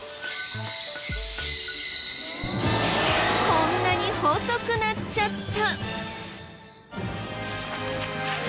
こんなに細くなっちゃった！